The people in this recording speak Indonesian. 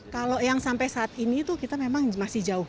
kalau yang sampai saat ini tuh kita memang masih jauh